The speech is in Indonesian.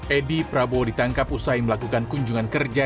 edi prabowo ditangkap usai melakukan kunjungan kerja